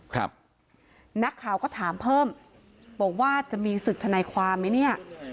ครับนักข่าวก็ถามเพิ่มบอกว่าจะมีศึกทนายความไหมเนี่ย